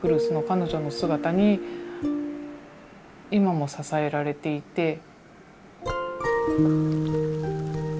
その彼女の姿に今も支えられていて。